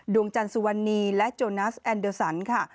ดวงจันทร์สุวรรณีและโจนัสแอนเดอร์สันค่ะ